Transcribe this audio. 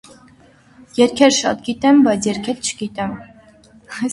Երգեր շատ գիտեմ, բայց երգել չգիտեմ: